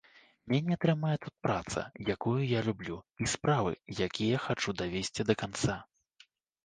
Мяне трымае тут праца, якую я люблю, і справы, якія хачу давесці да канца.